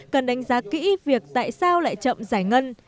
cần đánh giá kỹ việc tại sao lại chậm giải ngân